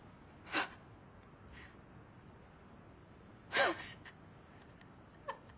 ハハハ！